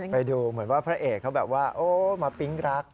ไปดูเหมือนว่าพระเอกเขาแบบว่าโอ้มาปิ๊งรัก